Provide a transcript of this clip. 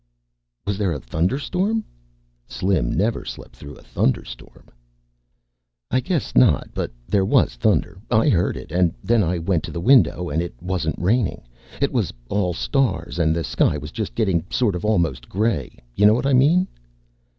"Was there a thunderstorm?" Slim never slept through a thunderstorm. "I guess not. But there was thunder. I heard it, and then I went to the window and it wasn't raining. It was all stars and the sky was just getting sort of almost gray. You know what I mean?"